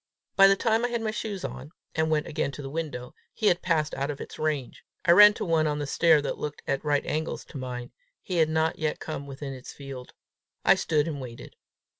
By the time I had my shoes on, and went again to the window, he had passed out of its range. I ran to one on the stair that looked at right angles to mine: he had not yet come within its field. I stood and waited.